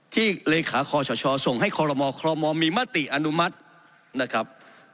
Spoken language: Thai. ที่เลขาคชส่งให้คมมีมาติอนุมัตินะครับ